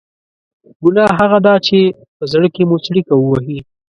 ګناه هغه ده چې په زړه کې مو څړیکه ووهي.